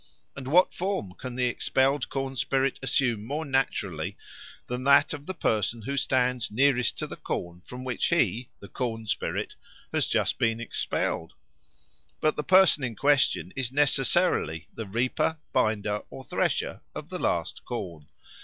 And what form can the expelled corn spirit assume more naturally than that of the person who stands nearest to the corn from which he (the corn spirit) has just been expelled? But the person in question is necessarily the reaper, binder, or thresher of the last corn.